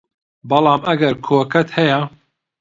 بەڵام ئەگەر کۆکەت هەیە